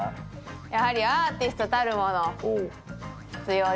やはりアーティストたるもの必要ですね。